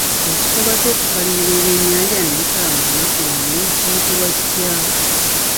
Ekikolwa ky'okukkalirira ebyennyanja ne bikala mu lunaku lumu kiyitibwa kitya?